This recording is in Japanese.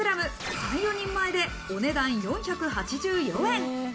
３４人前でお値段４８４円。